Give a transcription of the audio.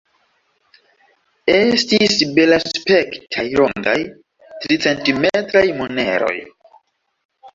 Estis belaspektaj rondaj, tricentimetraj moneroj.